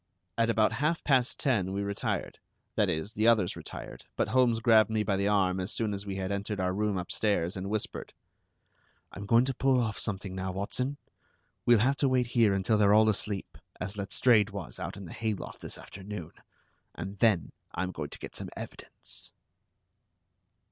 At about half past ten we retired; that is, the others retired, but Holmes grabbed me by the arm as soon as we had entered our room upstairs, and whispered: "I'm going to pull off something now, Watson. We'll have to wait here until they're all asleep, as Letstrayed was out in the hayloft this afternoon, and then I'm going to get some evidence."